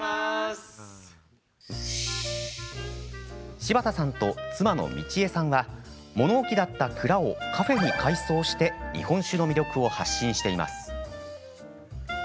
柴田さんと妻の充恵さんは物置だった蔵をカフェに改装して日本酒の魅力を発信しています。